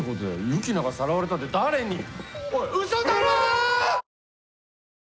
ユキナがさらわれたって誰に！？